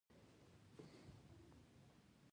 ستا نوم څه دی.